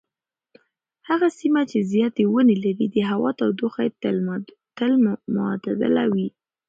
هغه سیمه چې زیاتې ونې لري د هوا تودوخه یې تل معتدله وي.